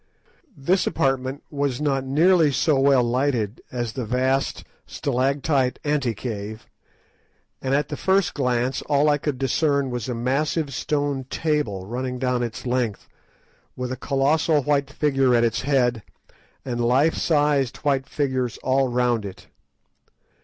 This apartment was not nearly so well lighted as the vast stalactite ante cave, and at the first glance all I could discern was a massive stone table running down its length, with a colossal white figure at its head, and life sized white figures all round it.